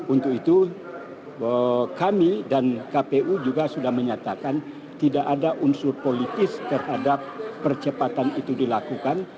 untuk itu kami dan kpu juga sudah menyatakan tidak ada unsur politis terhadap percepatan itu dilakukan